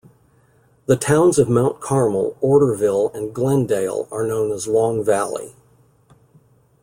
The Towns of Mount Carmel, Orderville, and Glendale are known as Long Valley.